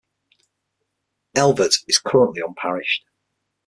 Elvet is currently unparished.